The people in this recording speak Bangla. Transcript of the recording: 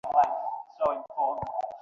ধীরে ধীরে বদলাচ্ছে বাতাসের গতিপ্রকৃতি।